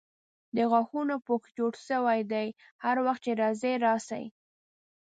د غاښونو پوښ جوړ سوی دی هر وخت چې راځئ راسئ.